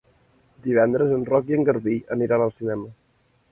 Dimecres en Roc i en Garbí aniran al cinema.